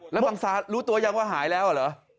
แล้วบังซารู้ตัวยังว่าหายแล้วเหรอ